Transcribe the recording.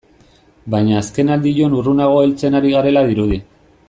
Baina azkenaldion urrunago heltzen ari garela dirudi.